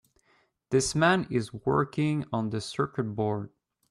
This man is working on the circuit board.